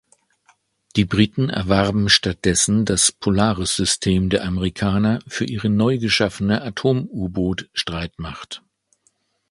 Die Briten erwarben stattdessen das Polaris-System der Amerikaner für ihre neugeschaffene Atom-U-Boot-Streitmacht.